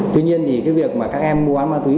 tuy nhiên thì cái việc mà các em mua bán ma túy